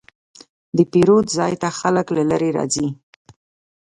د پیرود ځای ته خلک له لرې راځي.